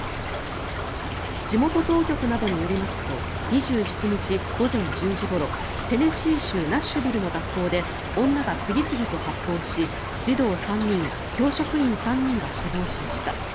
地元当局などによりますと２７日午前１０時ごろテネシー州ナッシュビルの学校で女が次々と発砲し児童３人教職員３人が死亡しました。